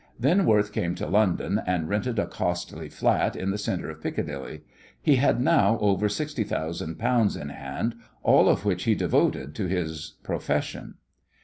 Then Worth came to London and rented a costly flat in the centre of Piccadilly. He had now over sixty thousand pounds in hand, all of which he devoted to his profession.